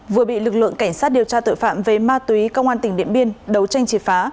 vừa bị lực lượng cảnh sát điều tra tội phạm về ma túy công an tỉnh điện biên đấu tranh triệt phá